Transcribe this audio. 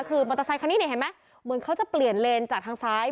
ดังนั้นมอเตอร์ไซต์คันนี้เห็นมั้ยเหมือนเขาจะเปลี่ยนเลนท์จากทางซ้าย